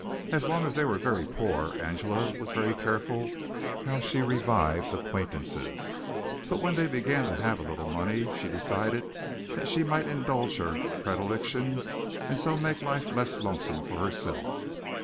As long as they were very poor, Angela was very careful how she revived acquaintances; but when they began to have a little money she decided that she might indulge her predilection and so make life less lonesome for herself.